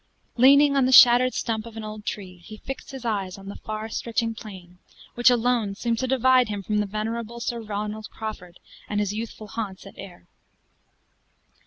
Leaning on the shattered stump of an old tree, he fixed his eyes on the far stretching plain, which alone seemed to divide him from the venerable Sir Ronald Crawford and his youthful haunts at Ayr.